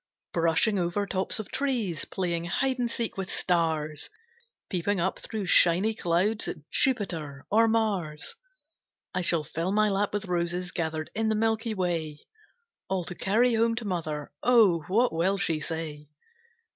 Brushing over tops of trees, Playing hide and seek with stars, Peeping up through shiny clouds At Jupiter or Mars. I shall fill my lap with roses Gathered in the milky way, All to carry home to mother. Oh! what will she say!